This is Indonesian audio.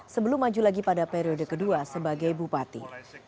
sebelum maju lagi pada periode kedua sebagai bupati